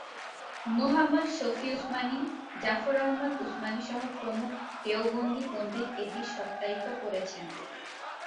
মুহাম্মদ শফি উসমানি, জাফর আহমদ উসমানি সহ প্রমুখ দেওবন্দি পণ্ডিত এটি সত্যায়িত করেছেন।